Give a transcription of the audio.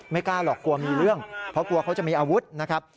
กล้าหรอกกลัวมีเรื่องเพราะกลัวเขาจะมีอาวุธนะครับ